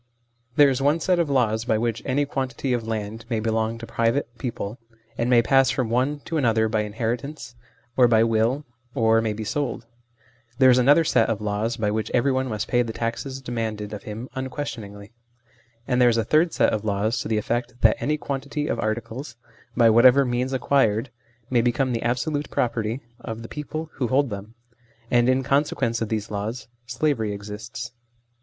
There is one set of laws by which any quantity of land may belong to private people, and may pass from one to another by inheritance, or by will, or may be sold ; there is another set of laws by which everyone must pay the taxes demanded 76 THE SLAVERY OF OUR TIMES of him unquestioningly ; and there is a third set of laws to the effect that any quantity of articles, by whatever means acquired, may become the absolute property of the people who hold them. And in consequence of these laws slavery exists.